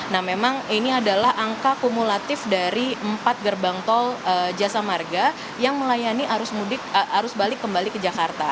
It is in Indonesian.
nah memang ini adalah angka kumulatif dari empat gerbang tol jasa marga yang melayani arus balik kembali ke jakarta